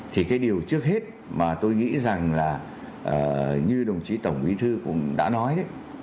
thì cái điều trước hết mà tôi nghĩ rằng là như đồng chí tổng bí thư cũng đã nói đấy